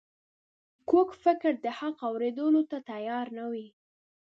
کوږ فکر د حق اورېدو ته تیار نه وي